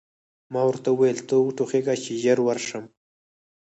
ما ورته وویل: ته و ټوخه، چې ژر ورشم.